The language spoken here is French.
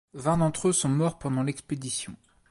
Vingt d'entre eux sont morts pendant l'expédition.